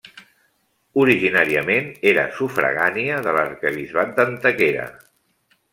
Originàriament era sufragània de l'arquebisbat d'Antequera.